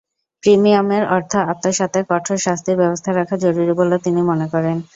প্রিমিয়ামের অর্থ আত্মসাতে কঠোর শাস্তির ব্যবস্থা রাখা জরুরি বলে তিনি মনে করেন।